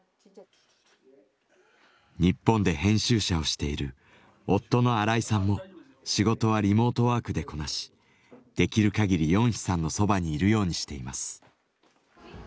日本で編集者をしている夫の荒井さんも仕事はリモートワークでこなしできるかぎりヨンヒさんのそばにいるようにしています。